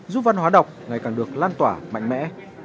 giúp văn hóa đọc ngày càng được lan tỏa mạnh mẽ